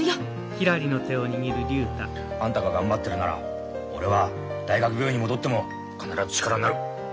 あんたが頑張ってるなら俺は大学病院に戻っても必ず力になる。